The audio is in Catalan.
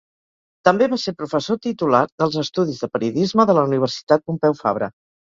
També va ser professor titular dels estudis de Periodisme de la Universitat Pompeu Fabra.